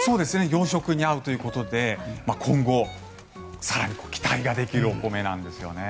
洋食に合うということで今後、更に期待ができるお米なんですよね。